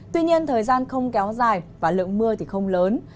tuy nhiên thời gian không kéo dài và lượng mưa thì không lớn